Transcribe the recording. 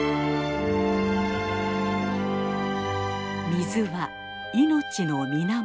水は命の源。